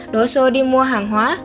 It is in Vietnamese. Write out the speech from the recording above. đổ xô đi mua hàng hóa